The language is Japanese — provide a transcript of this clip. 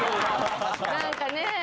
何かねえ